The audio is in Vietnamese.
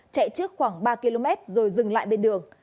chạy trước khoảng ba km rồi dừng lại bên đường